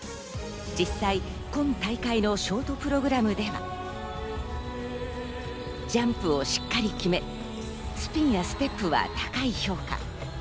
実際、今大会のショートプログラムではジャンプをしっかり決め、スピンやステップは高い評価。